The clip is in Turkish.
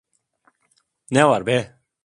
Ne var be?